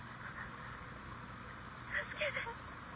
助けて。